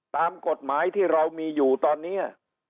ตามกฎหมายที่เรามีอยู่ตอนนี้